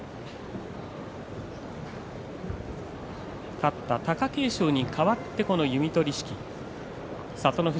勝った貴景勝に代わって弓取式。